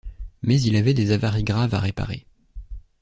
Mais il avait des avaries graves à réparer.